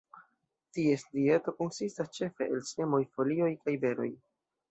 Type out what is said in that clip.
Ties dieto konsistas ĉefe el semoj, folioj kaj beroj.